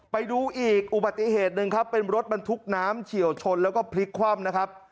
ไปดูอีกอุบัติเหตุหนึ่งครับเป็นรถบรรทุกน้ำเฉียวชนแล้วก็พลิกคว่ำนะครับ